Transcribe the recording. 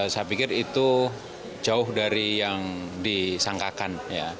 saya pikir itu jauh dari yang disangkakan